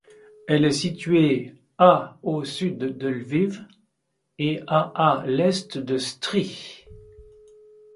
Elle est située à au sud de Lviv et à à l'est de Stryï.